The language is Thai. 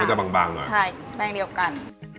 มันจะบางบางเลยใช่แป้งเดียวกัน